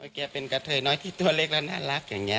แกเป็นกะเทยน้อยที่ตัวเล็กแล้วน่ารักอย่างนี้